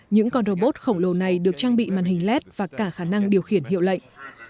những con robot khổng lồ này được trang bị màn hình led và cả khả năng điều khiển hiệu lệnh